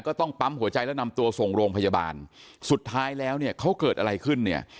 ก็ต้องปั๊มหัวใจแล้วนำตัวส่งโรงพยาบาลสุดท้ายแล้วเนี่ยเขาเกิดอะไรขึ้นเนี่ย